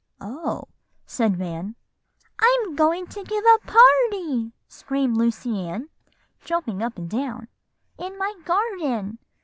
"Oh!" said Van. "'I'm going to give a party,' screamed Lucy Ann, jumping up and down, 'in my garden.